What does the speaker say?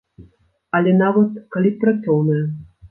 Але, нават, калі б працоўная.